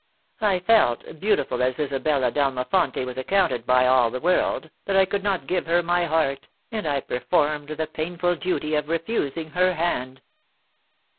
... I felt, beautiful as Isabella d'Almafonte was accounted by all the world, that I could not give her my heart, and I performed the painful duty of refusing her hand.